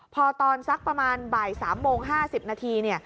พอตอนสักประมาณบ่าย๓โมง๕๐นาทีเนี่ย